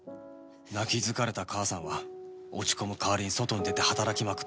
泣き疲れた母さんは落ち込む代わりに外に出て働きまくった